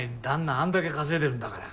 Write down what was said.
あんだけ稼いでるんだから。